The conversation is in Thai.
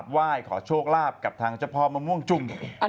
บริเวณสานใต้ต้นละม่วงจุ่ม